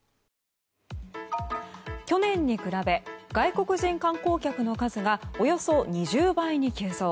去年に比べ外国人観光客の数がおよそ２０倍に急増。